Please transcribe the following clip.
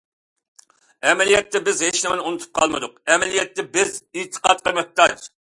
ئەمەلىيەتتە، بىز ھېچنېمىنى ئۇنتۇپ قالمىدۇق، ئەمەلىيەتتە، بىز ئېتىقادقا موھتاج.